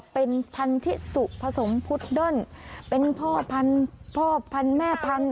เป็นพันธิสุผสมพุดเดิ้นเป็นพ่อพันธุ์พ่อพันธุ์แม่พันธุ